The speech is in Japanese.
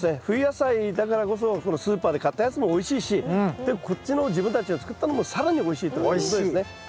冬野菜だからこそこのスーパーで買ったやつもおいしいしでこっちの自分たちの作ったのも更においしいということですね。